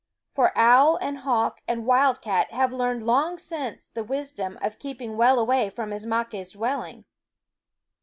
For owl and hawk and wild cat have learned long since the wisdom of keeping well away from Ismaques' dwelling.